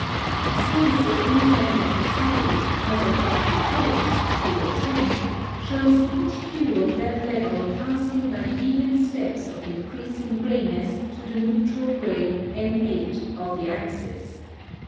A slice at any level of the solid, as at value 8 (Fig. 10), shows each hue of that level passing by even steps of increasing grayness to the neutral gray N8 of the axis.